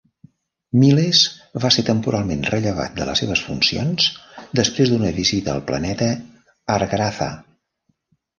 Miles va ser temporalment rellevat de les seves funcions després d'una visita al planeta Argratha.